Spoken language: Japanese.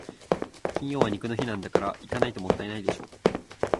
金曜は肉の日なんだから、行かないともったいないでしょ。